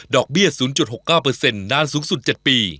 เบี้ย๐๖๙นานสูงสุด๗ปี